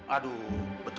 aduh betul betul gak begitu